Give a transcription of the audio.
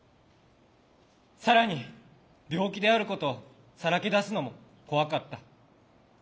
更に病気であることをさらけ出すのも怖かった。